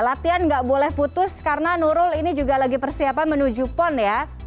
latihan nggak boleh putus karena nurul ini juga lagi persiapan menuju pon ya